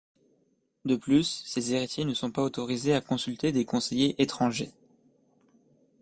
De plus, ses héritiers ne sont pas autorisés à consulter des conseillers étrangers.